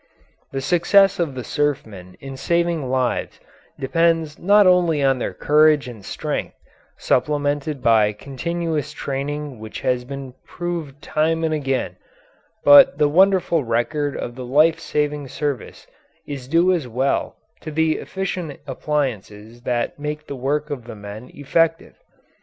The success of the surfmen in saving lives depends not only on their courage and strength, supplemented by continuous training which has been proved time and again, but the wonderful record of the life saving service is due as well to the efficient appliances that make the work of the men effective.